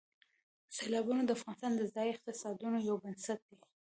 سیلابونه د افغانستان د ځایي اقتصادونو یو بنسټ دی.